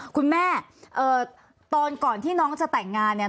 คุณแม่ตอนก่อนที่น้องจะแต่งงานเนี่ย